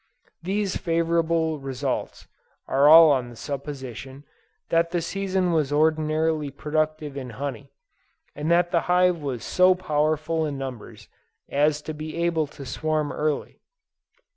These favorable results are all on the supposition that the season was ordinarily productive in honey, and that the hive was so powerful in numbers as to be able to swarm early.